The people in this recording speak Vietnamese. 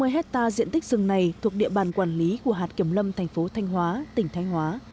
một trăm sáu mươi hectare diện tích rừng này thuộc địa bàn quản lý của hạt kiểm lâm thành phố thanh hóa tỉnh thanh hóa